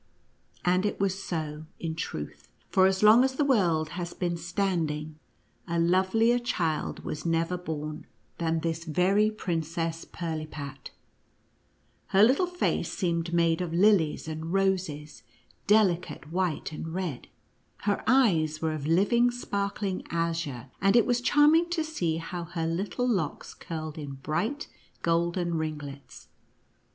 And it was so, in truth, for as long as the world has been stand ing, a lovelier child was never born, than this JOCfLY/V. SC STORY OF THE "HARD NUT. NUTCRACKER AND MOUSE KING. 57 very Princess Pirlipat. Her little face seemed made of lilies and roses, delicate white and red ; her eyes were of living sparkling azure, and it was charming to see how her little locks curled in bright golden ringlets.